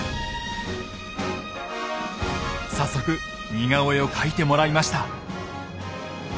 早速似顔絵を描いてもらいました。